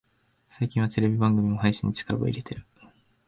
最近はテレビ番組も配信に力を入れてる